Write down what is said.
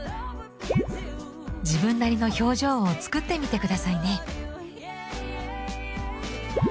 自分なりの表情を作ってみて下さいね。